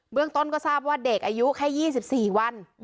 เรื่องต้นก็ทราบว่าเด็กอายุแค่๒๔วัน